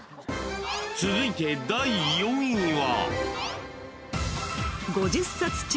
［続いて第４位は］